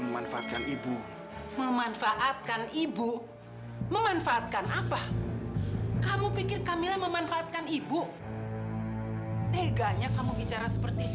main perintah perintah saja